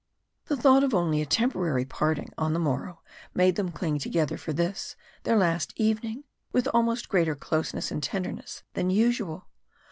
The thought of only a temporary parting on the morrow made them cling together for this, their last evening, with almost greater closeness and tenderness than usual.